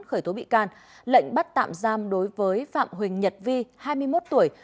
khởi tố bị can lệnh bắt tạm giam đối với phạm huỳnh nhật vi hai mươi một tuổi